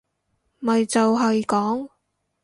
咪就係講